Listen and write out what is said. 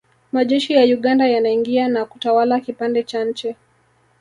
Majeshi ya Uganda yanaingia na kutawala kipande cha nchi